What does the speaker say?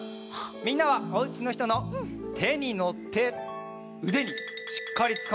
みんなはおうちのひとのてにのってうでにしっかりつかまって。